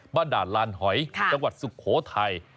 บ้านด่าลฮ่อยจังหวัดสุขโถย